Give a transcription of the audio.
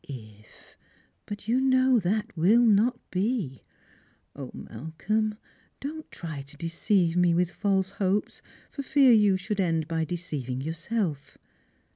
" If ! But you know that will not be. O Malcolm, don't try to deceive me with false hopes, for fear you should end by deceiving yourself.